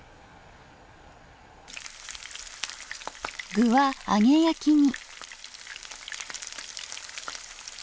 具は揚げ焼きに。